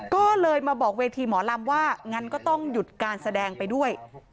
ก็เลยมาบอกเวทีหมอลำว่างั้นก็ต้องหยุดการแสดงไปด้วย